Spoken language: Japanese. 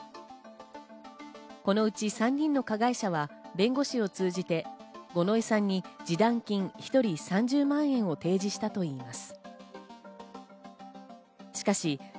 このうち３人の加害者は弁護士を通じて五ノ井さんに示談金１人３０万円を提示したといいます。